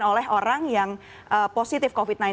oleh orang yang positif covid sembilan belas